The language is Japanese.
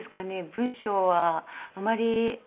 文章はあまり。